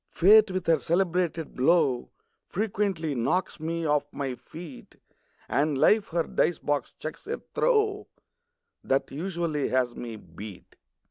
Fate with her celebrated blow Frequently knocks me off my feet; And Life her dice box chucks a throw That usually has me beat.